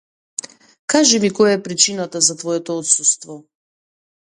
Кажи ми која е причината за твоето отсуство.